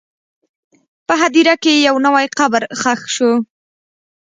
په هدیره کې یو نوی قبر ښخ شو.